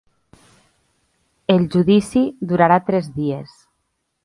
El judici durarà tres dies.